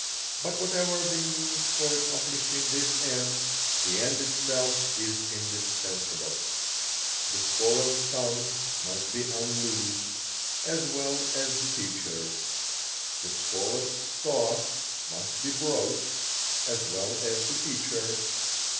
But, whatever the means for accomplishing this end, the end itself is indispensable. The scholar's tongue must be unloosed, as well as the teacher's. The scholar's thoughts must be broached, as well as the teacher's.